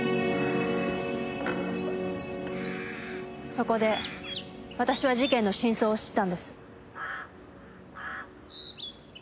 そこで私は事件の真相を知ったんです。